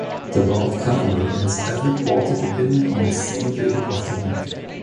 The World Calendar has every quarter beginning on the same day of the week.